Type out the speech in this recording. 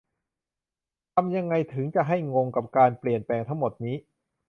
ทำยังไงถึงจะให้งง กับ การเปลี่ยนแปลงทั้งหมดนี้